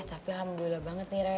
tapi alhamdulillah banget nih rey